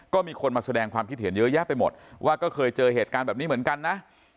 ก็มีคนมาแสดงความคิดเห็นเยอะแยะไปหมดว่าก็เคยเจอเหตุการณ์แบบนี้เหมือนกันนะ